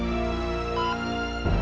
ya allah papa